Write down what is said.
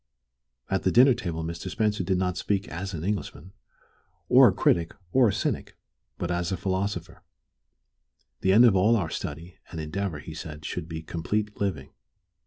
At the dinner Mr. Spencer did not speak as an Englishman, or a critic, or a cynic, but as a philosopher. The end of all our study and endeavor, he said, should be complete living.